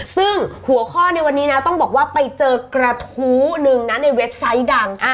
ซึ่งหัวข้อในวันนี้นะต้องบอกว่าไปเจอกระทู้หนึ่งนะในเว็บไซต์ดัง